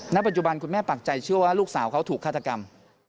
ณปัจจุบันคุณแม่ปากใจเชื่อว่าลูกสาวเขาถูกฆาตกรรม